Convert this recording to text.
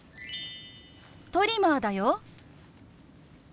トリマーだよ。